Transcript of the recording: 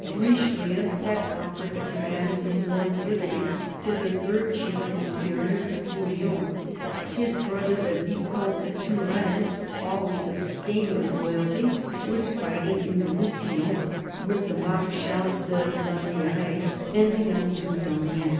Richelieu had offered the command in North Italy to the third chief conspirator. Bouillon. His brother, the Vicomte de Turenne, always of stainless loyalty, was fighting in Roussillon with the Marechal de la Meilleraye and the young Due d'Enghien.